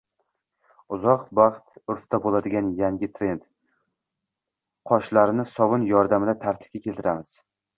Uzoq vaqt urfda bo‘ladigan yangi trend: qoshlarni sovun yordamida tartibga keltiramiz